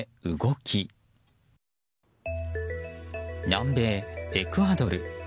南米エクアドル。